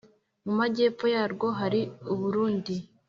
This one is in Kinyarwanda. mu majyepfo yarwo hari u burundi,